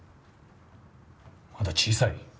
まだ小さい！